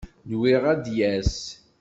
Nwiɣ ad d-yas.